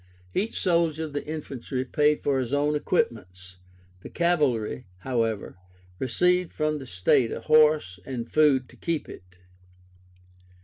Each soldier of the infantry paid for his own equipments; the cavalry, however, received from the state a horse, and food to keep it.